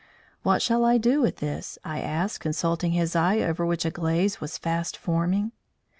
"What shall I do with this?" I asked, consulting his eye over which a glaze was fast forming.